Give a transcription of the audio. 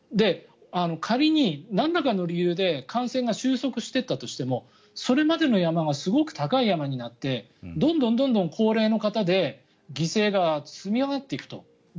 仮になんらかの理由で感染が収束していったとしてもそれまでの山がすごく高い山になってどんどん高齢の方で犠牲が積み上がっていくと。